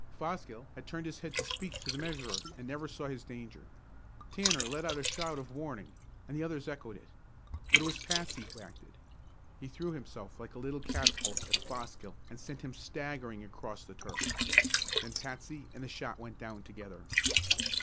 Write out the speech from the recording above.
Fosgill had turned his head to speak to the measurer and never saw his danger. Tanner let out a shout of warning, and others echoed it. But it was Patsy who acted. He threw himself like a little catapult at Fosgill and sent him staggering across the turf. Then Patsy and the shot went down together.